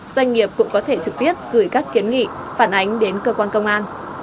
doanh nghiệp cũng có thể trực tiếp gửi các kiến nghị phản ánh đến cơ quan công an